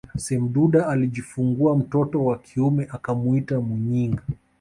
Semduda alijifungua mtoto wa kiume akamuita Muyinga